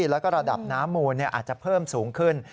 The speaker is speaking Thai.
แล้วก็ระดับน้ำมูลอาจจะเพิ่มสูงขึ้น